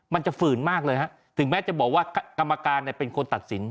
ฝืนมากเลยฮะถึงแม้จะบอกว่ากรรมการเป็นคนตัดสิน